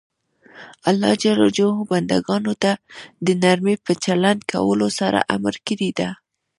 الله ج بنده ګانو ته د نرمۍ په چلند کولو سره امر کړی ده.